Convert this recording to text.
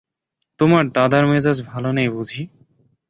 তোমার দাদার মেজাজ ভালো নেই বুঝি?